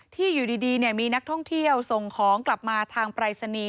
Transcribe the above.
ที่อยู่ดีมีนักท่องเที่ยวส่งของกลับมาทางปรายศนีย์